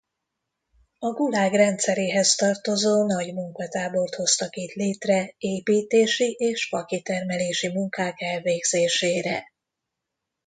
A Gulag rendszeréhez tartozó nagy munkatábort hoztak itt létre építési és fakitermelési munkák elvégzésére.